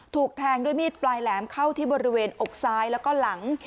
ถูกแทงด้วยมีดปลายแหลมเข้าที่บริเวณอกซ้ายแล้วก็หลัง